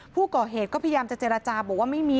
ผู้ก่อเหตุก็พยายามจะเจรจาบอกว่าไม่มี